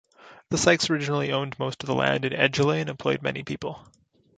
The Sykes originally owned most of the land in Edgeley, and employed many people.